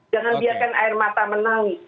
jangan biarkan air mata menangis